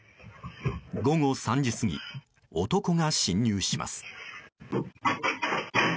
午後３時過ぎ、男が侵入します。